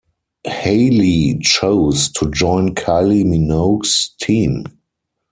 Hayley chose to join Kylie Minogue's team.